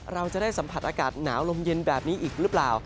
เราจะได้สัมผัสอากาศหนาวลมเย็นแบบนี้อีกหรือเปล่า